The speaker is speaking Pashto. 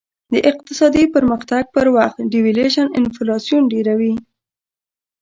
د اقتصادي پرمختګ په وخت devaluation انفلاسیون ډېروي.